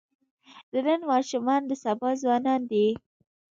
د نن ماشومان د سبا ځوانان دي.